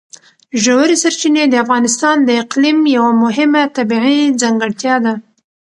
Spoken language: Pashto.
ژورې سرچینې د افغانستان د اقلیم یوه مهمه طبیعي ځانګړتیا ده.